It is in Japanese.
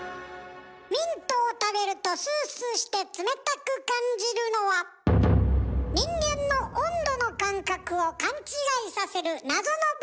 ミントを食べるとスースーして冷たく感じるのは人間の温度の感覚を勘違いさせる謎の物質が入っているから。